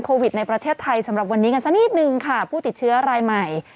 ในประเทศไทยสำหรับวันนี้กันสักนิดนึงค่ะผู้ติดเชื้อรายใหม่